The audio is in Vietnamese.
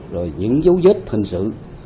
rồi những dấu viết hình sự